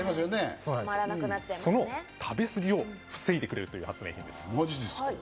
その食べすぎを防いでくれるという発明品です。